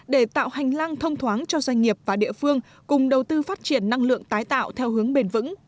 để tạo hành lang thông thoáng cho doanh nghiệp và địa phương cùng đầu tư phát triển năng lượng tái tạo theo hướng bền vững